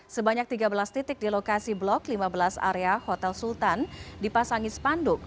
sebanyak tiga belas titik di lokasi blok lima belas area hotel sultan dipasangi spanduk